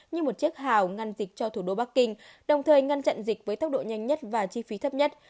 như một chiếc hào ngăn dịch cho thủ đô bắc kinh đồng thời ngăn chặn dịch với tốc độ nhanh nhất và chi phí thấp nhất